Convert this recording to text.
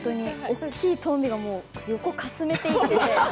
おっきいトンビが横かすめていってて。